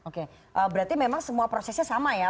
oke berarti memang semua prosesnya sama ya